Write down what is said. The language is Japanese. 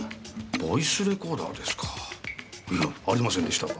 ボイスレコーダーですかいえありませんでしたが。